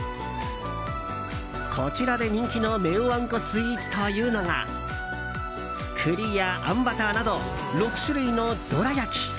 こちらで人気のネオあんこスイーツというのが栗や、あんバターなど６種類のどら焼き。